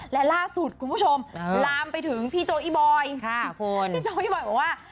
และล่าสุดคุณผู้ชมลามไปถึงพี่โจอีบอยพี่โจอี้บอยบอกว่า